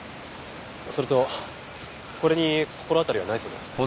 それとこれに心当たりはないそうです。